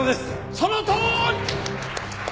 そのとおり！